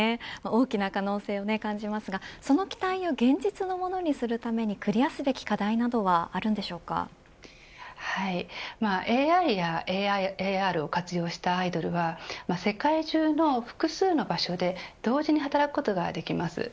大きな可能性を感じますがその期待を現実のものにするためにクリアすべき課題などはＡＩやＡＲを活用したアイドルは世界中の複数の場所で同時に働くことができます。